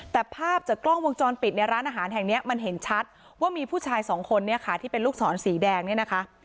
แต่ภาพจากกล้องวงจรปิดในร้านอาหารแห่งเนี้ยมันเห็นชัดว่ามีผู้ชายสองคนเนี่ยค่ะที่เป็นลูกศรสีแดงเนี่ยนะคะ